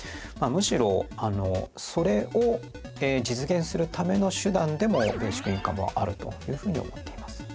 むしろそれを実現するための手段でもベーシックインカムはあるというふうに思っています。